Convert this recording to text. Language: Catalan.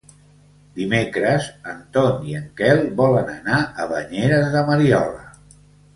Dimecres en Ton i en Quel volen anar a Banyeres de Mariola.